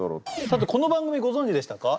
さてこの番組ご存じでしたか？